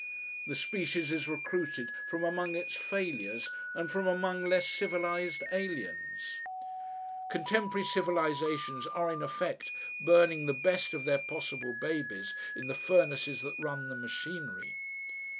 The species is recruited from among its failures and from among less civilised aliens. Contemporary civilisations are in effect burning the best of their possible babies in the furnaces that run the machinery.